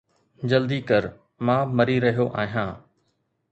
جلدي ڪر، مان مري رهيو آهيان